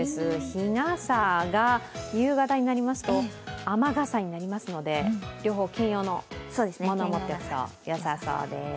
日傘が夕方になりますと雨傘になりますので両方兼用のものを持っておくとよさそうです。